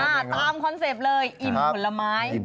ตามคอนเซ็ปต์เลยอิ่มผลไม้